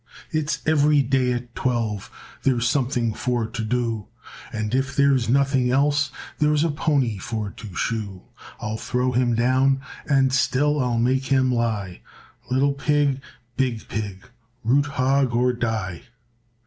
It's every day at twelve There's something for to do; And if there's nothing else, There's a pony for to shoe; I'll throw him down, And still I'll make him lie; Little pig, big pig, Root hog or die.